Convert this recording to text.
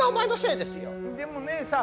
でもねえさん。